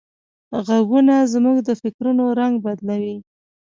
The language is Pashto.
غږونه زموږ د فکرونو رنگ بدلوي.